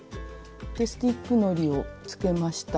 スティックのりをつけました。